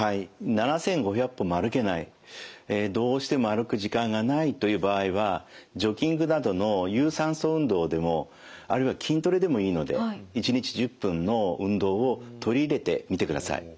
７，５００歩も歩けないどうしても歩く時間がないという場合はジョギングなどの有酸素運動でもあるいは筋トレでもいいので１日１０分の運動を取り入れてみてください。